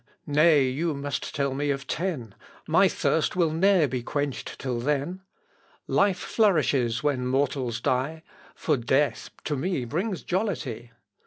nay you must tell me of ten: My thirst will ne'er be quenched till then. Life flourishes when mortals die, For death to me brings jollity.